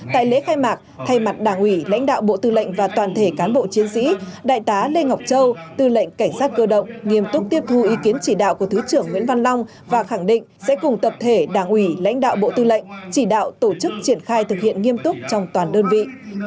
tại lễ khai mạc thay mặt đảng ủy lãnh đạo bộ tư lệnh và toàn thể cán bộ chiến sĩ đại tá lê ngọc châu tư lệnh cảnh sát cơ động nghiêm túc tiếp thu ý kiến chỉ đạo của thứ trưởng nguyễn văn long và khẳng định sẽ cùng tập thể đảng ủy lãnh đạo bộ tư lệnh chỉ đạo tổ chức triển khai thực hiện nghiêm túc trong toàn đơn vị